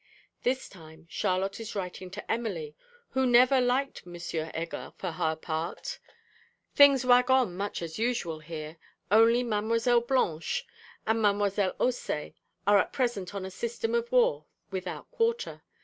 This time Charlotte is writing to Emily, who never liked M. Heger for her part. 'Things wag on much as usual here, only Mlle. Blanche and Mlle. Haussé are at present on a system of war without quarter.